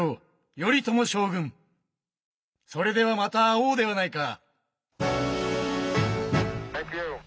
それではまた会おうではないか。